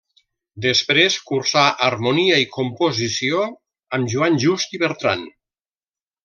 Després cursà harmonia i composició amb Joan Just i Bertran.